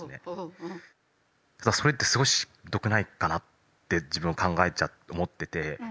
ただそれってすごいしんどくないかなって自分は思ってて。